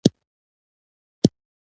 ما د مینې ډک زړه، دواړو لپو کې نیولی و